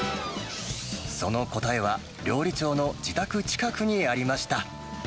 その答えは、料理長の自宅近くにありました。